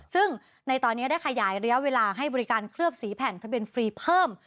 ซึ่งในตอนนี้ได้ขยายระยะเวลาให้บริการเคลือบสีแผ่นทะเบียนฟรีเพิ่ม